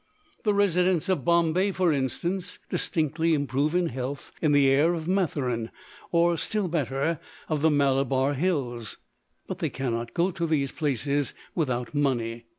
The residents of Bombay, for instance, distinctly improve in health in the air of Matheran or, still better, of the Malabar Hills; but they cannot go to these places without money.